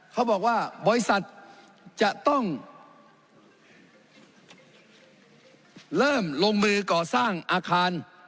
เขาบอกว่าบริษัทจะต้องเริ่มลงมือก่อสร้างอาคาร